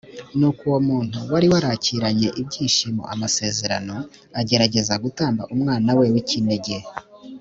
nuko uwo muntu wari warakiranye ibyishimo amasezerano agerageza gutamba umwana we w’ikinege